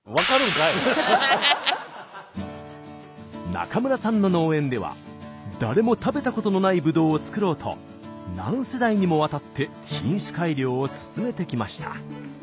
中村さんの農園では誰も食べたことのないぶどうを作ろうと何世代にもわたって品種改良を進めてきました。